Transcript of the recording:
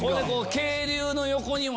渓流の横にも。